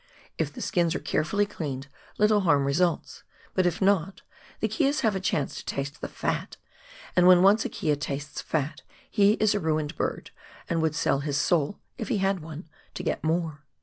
If the skins are carefully cleaned little harm results ; but if not, the keas have a chance to taste the fat, and when once a kea tastes fat he is a ruined bird, and would sell his soul — if he had one — to get more.